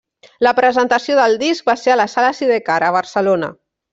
La presentació del disc va ser a la sala Sidecar, a Barcelona.